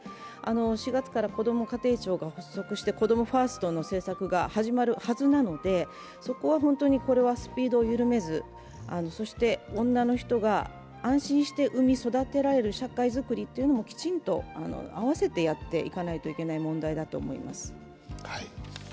４月からこども家庭庁が発足してこどもファーストの政策が始まる予定なので、そこは本当にスピードを緩めず、そして女の人が安心して産み育てられる社会づくりもきちんと併せてやっていかないといけない問題だと思います。